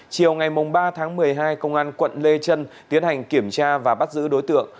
chiều ngày ba tháng một mươi hai công an quận lê trân tiến hành kiểm tra và bắt giữ đối tượng